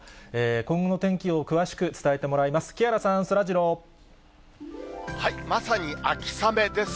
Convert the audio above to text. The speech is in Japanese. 今後の天気を詳しく伝えてもらいます。